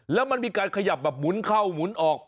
แล้วมันมีการขยับแบบหมุนเข้าหมุนออก